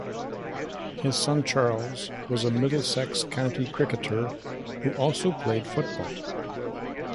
His son Charles was a Middlesex county cricketer who also played football.